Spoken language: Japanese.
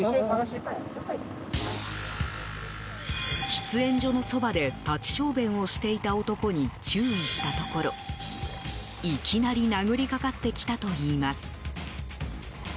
喫煙所の側で立ち小便をしていた男に注意したところ、いきなり殴りかかってきたといいます。